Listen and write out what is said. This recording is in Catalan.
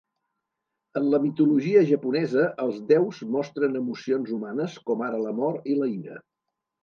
En la mitologia japonesa, els déus mostren emocions humanes, com ara l'amor i la ira.